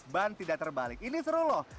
ban tidak terbalik ini seru loh